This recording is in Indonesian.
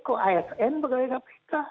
asn pegawai kpk